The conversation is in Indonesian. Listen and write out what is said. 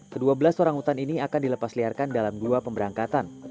kedua belas orang utan ini akan dilepas liarkan dalam dua pemberangkatan